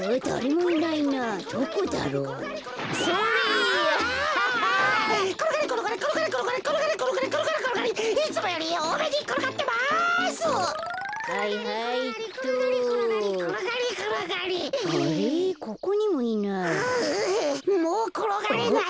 もうころがれない。